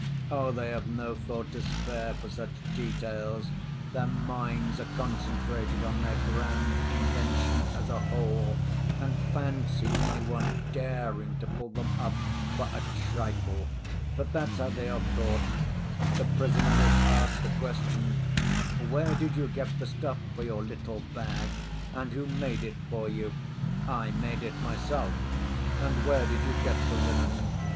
Oh, they have no thought to spare for such details, their minds are concentrated on their grand invention as a whole, and fancy any one daring to pull them up for a trifle! But that's how they are caught. The prisoner was asked the question, 'Where did you get the stuff for your little bag and who made it for you?' 'I made it myself.' 'And where did you get the linen?